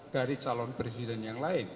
dari calon presiden yang lain